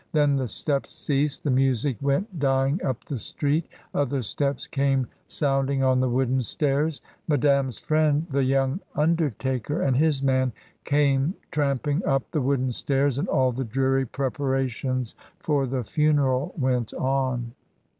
Then the steps ceased, the music went dying up the street, other steps came sound ing on the wooden stairs. Madame's friend the young undertaker and his man came tramping up the wooden stairs, and all the dreary preparations for the funeral went on.